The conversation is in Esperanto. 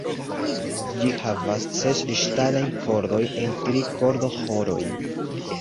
Ĝi havas ses ŝtalajn kordojn en tri kordoĥoroj.